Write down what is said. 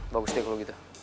bagus deh kalau gitu